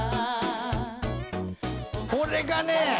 これがね